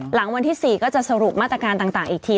หลังวันที่๔ก็จะสรุปมาตรการต่างอีกที